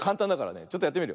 ちょっとやってみるよ。